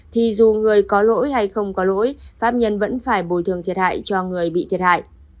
thì dù người có lỗi hay không có lỗi pháp nhân vẫn phải bồi thường thiệt hại cho người bị thiệt hại